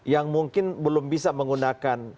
yang mungkin belum bisa menggunakan